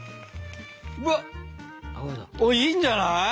うわっいいんじゃない？